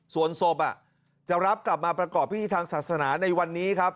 ส่วนศพจะรับกลับมาประกอบพิธีทางศาสนาในวันนี้ครับ